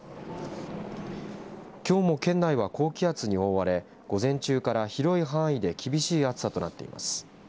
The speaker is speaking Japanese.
きょうも県内は高気圧に覆われ午前中から広い範囲で厳しい暑さとなっています。